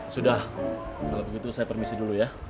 sudah kalau begitu saya permisi dulu ya